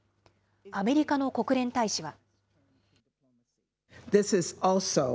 アメリカの国連大使は。